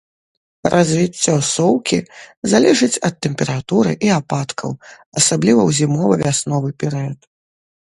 Развіццё соўкі залежыць ад тэмпературы і ападкаў, асабліва ў зімова-вясновы перыяд.